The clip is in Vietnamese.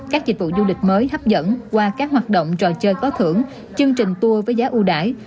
các dịch vụ du lịch mới hấp dẫn qua các hoạt động trò chơi có thưởng chương trình tour với giá ưu đải